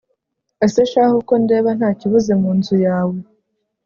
ese shahu, ko ndeba nta kibuze mu nzu yawe